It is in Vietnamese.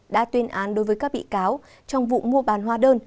đã tuyên án đối với các bị cáo trong vụ mua bán hóa đơn